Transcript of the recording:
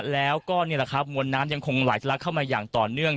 แล้วก็นี่แหละครับมวลน้ำยังคงไหลทะลักเข้ามาอย่างต่อเนื่อง